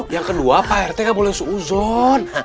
yang kedua pak rt gak boleh seuzon